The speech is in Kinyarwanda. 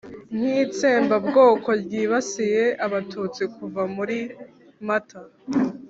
nk'itsembabwoko ryibasiye abatutsi kuva muri mata